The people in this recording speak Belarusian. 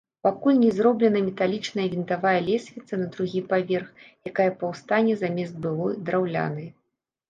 Пакуль не зроблена металічная вінтавая лесвіца на другі паверх, якая паўстане замест былой, драўлянай.